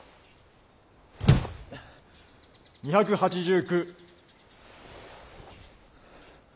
２８９。